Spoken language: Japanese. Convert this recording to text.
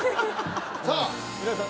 さあ皆さん